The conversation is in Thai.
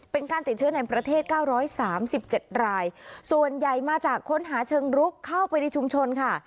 เป็นการติดเชื้อในประเทศ๙๓๗รายส่วนใหญ่มาจากคนหาเชิงลุกเข้าไปในชุมชนค่ะ